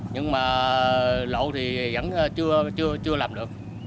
nhưng mà lỗ thì vẫn chưa làm được